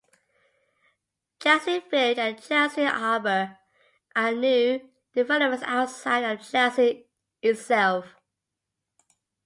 Chelsea Village and Chelsea Harbour are new developments outside of Chelsea itself.